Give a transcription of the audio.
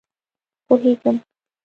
پوهېږم.